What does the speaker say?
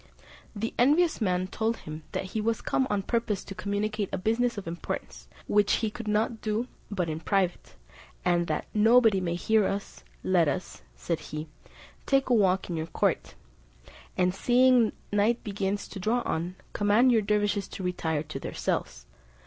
The envious man told him that he was come on purpose to communicate a business of importance, which he could not do but in private; and "that nobody may hear us, let us," said he, "take a walk in your court; and seeing night begins to draw on, command your dervises to retire to their cells."